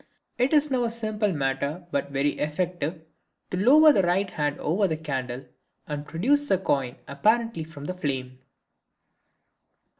It is now a simple matter, but very effective, to lower the right hand over the candle and produce the coin apparently from the flame.